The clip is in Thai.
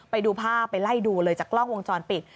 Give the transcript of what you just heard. ไปดูภาพไปไล่ดูเลยจากกล้องวงจรปิด